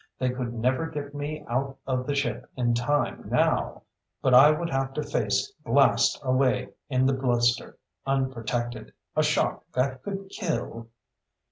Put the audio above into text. They could never get me out of the ship in time now but I would have to face blast away in the blister, unprotected. A shock that could kill....